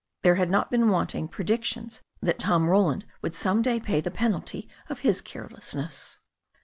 There had not been wanting predictions that Tom Roland would some day pay the penalty of his carelessness.